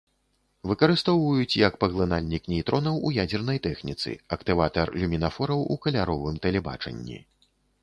Выкарыстоўваюць як паглынальнік нейтронаў у ядзернай тэхніцы, актыватар люмінафораў у каляровым тэлебачанні.